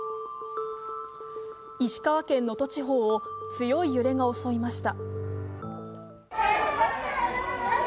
石川県能登地方を強い揺れが襲いました。